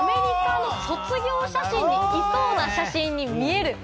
いかにもアメリカの卒業写真にいそうな写真に見える。